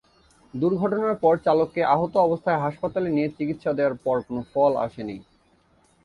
দুর্ঘটনার পর চালককে আহত অবস্থায় হাসপাতালে নিয়ে চিকিৎসা দেওয়ার পর কোনো ফল আসেনি।